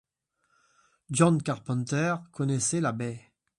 John Carpenter connaissait la baie.